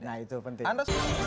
nah itu penting